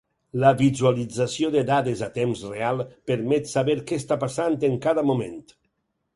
La visualització de dades a temps real, permet saber què està passant en cada moment.